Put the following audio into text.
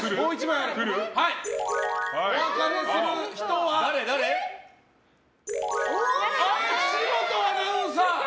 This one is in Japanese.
お別れする人は岸本アナウンサー！